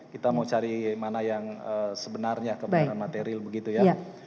kita mau cari mana yang sebenarnya kebenaran material begitu ya